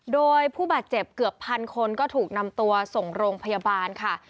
โดยผู้บาดเจ็บเกือบพันคนก็ถูกนำตัวส่งโรงพยาบาลค่ะ